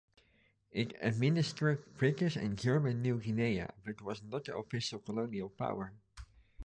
It administered British and German New Guinea, but was not the official colonial power.